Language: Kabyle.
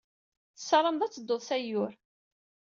Tessaramed ad teddud s Ayyur.